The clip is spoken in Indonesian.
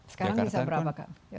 sekarang bisa berapa kak